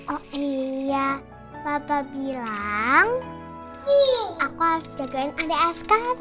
oh iya papa bilang aku harus jagain adik aku sekarang